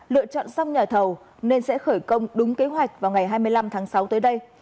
lựa chọn xong nhà thầu nên sẽ khởi công đúng kế hoạch vào ngày hai mươi năm tháng sáu tới đây